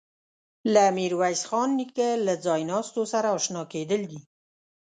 له میرویس خان نیکه له ځایناستو سره آشنا کېدل دي.